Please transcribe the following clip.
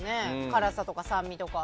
辛さとか酸味とか。